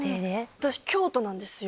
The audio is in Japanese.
私京都なんですよ